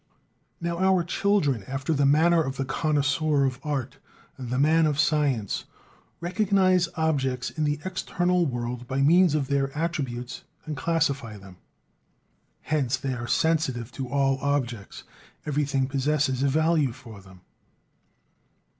Now our children, after the manner of the connoisseur of art and the man of science, recognize objects in the external world by means of their attributes and classify them; hence they are sensitive to all objects; everything possesses a value for them.